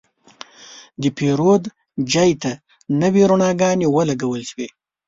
د پیرود ځای ته نوې رڼاګانې ولګول شوې.